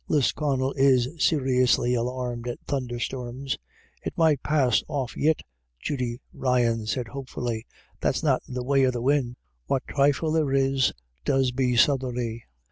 Lisconnel is seriously alarmed at thunderstorms. "It might pass off yit," Judy Ryan said hopefully. " That's not the way of the win'. What trifle there is does be southerly.